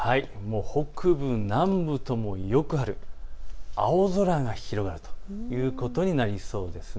北部、南部とも、よく晴れ青空が広がるということになりそうです。